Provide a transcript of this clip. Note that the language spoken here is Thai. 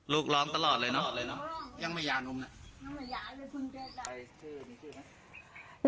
ลูกร้องตลอดเลยน่ะยังไม่ยางมัน